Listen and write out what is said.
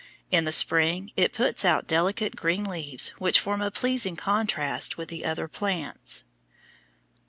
In the spring it puts out delicate green leaves which form a pleasing contrast with the other plants.